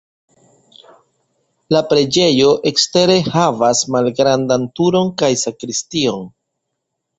La preĝejo ekstere havas malgrandan turon kaj sakristion.